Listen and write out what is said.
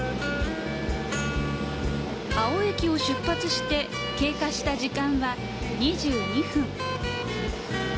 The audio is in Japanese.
粟生駅を出発して経過した時間は２２分。